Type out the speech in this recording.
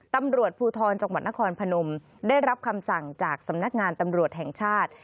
ตำรวจภูทรจังหวัดนครพนมได้รับคำสั่งจากสำนักงานตำรวจแห่งชาติ